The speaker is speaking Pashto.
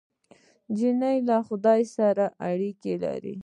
نجلۍ له خدای سره اړیکه لري.